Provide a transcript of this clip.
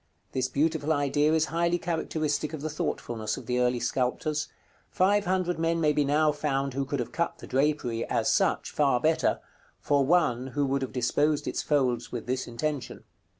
This beautiful idea is highly characteristic of the thoughtfulness of the early sculptors: five hundred men may be now found who could have cut the drapery, as such, far better, for one who would have disposed its folds with this intention.